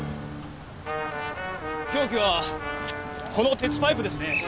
凶器はこの鉄パイプですね。